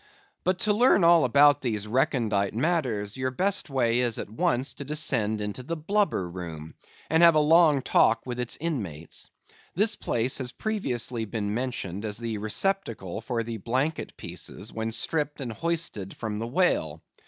But to learn all about these recondite matters, your best way is at once to descend into the blubber room, and have a long talk with its inmates. This place has previously been mentioned as the receptacle for the blanket pieces, when stript and hoisted from the whale.